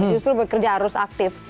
justru bekerja harus aktif